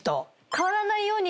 変わらないように。